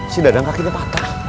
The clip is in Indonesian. si dadang kakinya patah